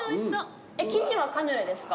生地はカヌレですか？